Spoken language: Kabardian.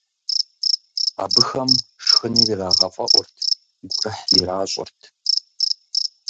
Абыхэм шхыныр ирагъэфӀэӀурт, гурыхь иращӀырт.